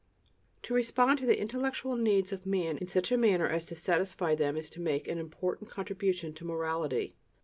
To respond to the intellectual needs of man in such a manner as to satisfy them is to make an important contribution to morality.